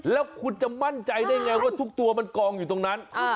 แล้วคุณจะมั่นใจได้ไงว่าทุกตัวมันกองอยู่ตรงนั้น